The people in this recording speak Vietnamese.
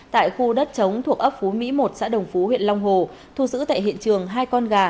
tại khu đất chống thuộc ấp phú mỹ một xã đồng phú huyện long hồ thu giữ tại hiện trường hai con gà